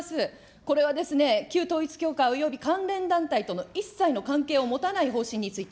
これはですね、旧統一教会および関連団体との一切の関係を持たない方針について。